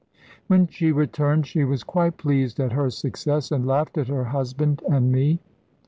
When she returned she was quite pleased at her success, and laughed at her husband and me.